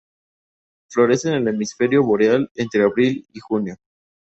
Florece en el hemisferio boreal entre abril y junio.